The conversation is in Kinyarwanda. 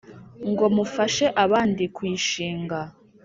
ngo mufashe abandi kuyishinga